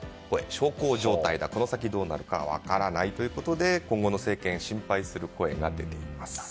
小康状態だこの先どうなるか分からないということで今後の政権心配する声が出ています。